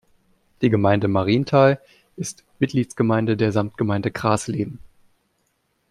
Die Gemeinde Mariental ist Mitgliedsgemeinde der Samtgemeinde Grasleben.